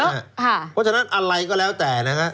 เพราะฉะนั้นอะไรก็แล้วแต่นะฮะ